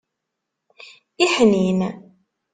Iḥnin.